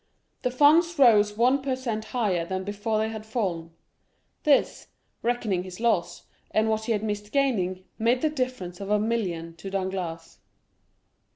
The funds rose one per cent higher than before they had fallen. This, reckoning his loss, and what he had missed gaining, made the difference of a million to Danglars.